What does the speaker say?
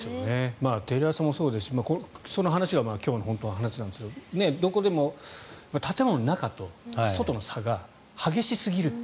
テレ朝もそうですしその話が今日の本当の話なんですがどこでも建物の中と外との差が激しすぎると。